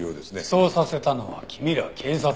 そうさせたのは君ら警察だ。